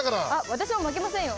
私も負けませんよ！